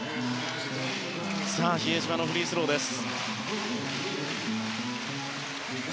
比江島のフリースローです。